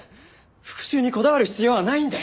復讐にこだわる必要はないんだよ！